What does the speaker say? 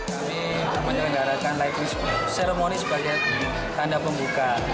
kami menyelenggarakan ceremony sebagai tanda pembuka